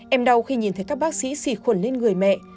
em đau khi nhìn thấy các bác sĩ xịt khuẩn lên người mẹ